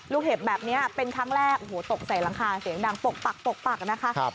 เห็บแบบนี้เป็นครั้งแรกโอ้โหตกใส่หลังคาเสียงดังปกปักปกปักนะคะ